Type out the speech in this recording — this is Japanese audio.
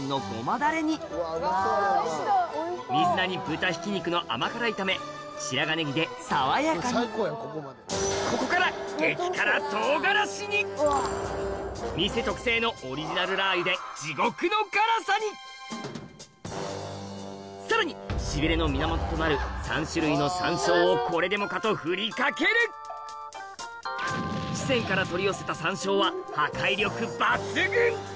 だれに水菜に豚ひき肉の甘辛炒め白髪ネギで爽やかにここから店特製のオリジナルラー油で地獄の辛さにさらにをこれでもかと振りかける四川から取り寄せた山椒は破壊力抜群！